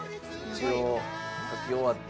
一応書き終わって。